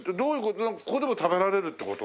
ここでも食べられるって事？